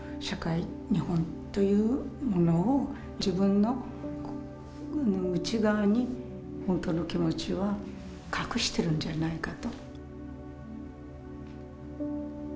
日本というものを自分の内側に本当の気持ちは隠しているんじゃないかと。